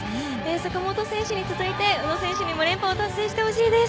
坂本選手に続いて宇野選手にも連覇を達成してほしいです。